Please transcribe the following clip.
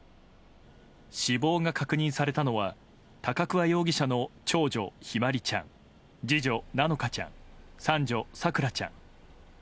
死亡が確認されたのは高桑容疑者の長女・姫茉梨ちゃん次女・菜乃華ちゃん三女・咲桜ちゃん。